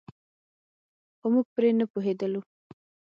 خو موږ پرې نه پوهېدلو.